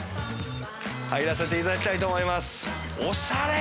入らせていただきたいと思いますおしゃれ！